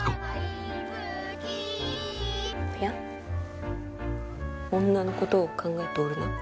「おや」「女のことを考えておるな」